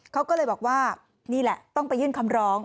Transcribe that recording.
เขาก็เลยบอกว่านี่แหละต้องไปยื่นคำร้อง